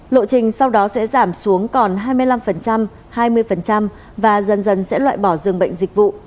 lộ trình sau đó sẽ giảm xuống còn hai mươi năm hai mươi và dần dần sẽ loại bỏ dường bệnh dịch vụ